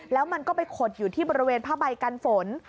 แล้วมันก็ไปขดอยู่ที่บริเวณผ้าใบกันฝน